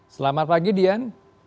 selamat pagi dian